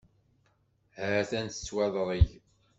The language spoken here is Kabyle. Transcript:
Ha-t-an tettwaḍreg.